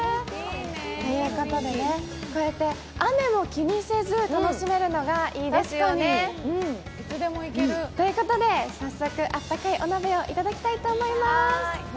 ということで、雨も気にせず楽しめるのがいいですよね。ということで早速あったかいお鍋をいただきたいと思います。